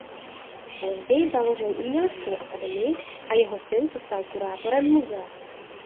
Později založil uměleckou akademii a jeho syn se stal kurátorem muzea.